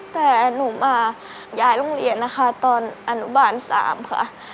แต่หนูมาย้ายโรงเรียนนะคะตอนอนุบาล๓ค่ะ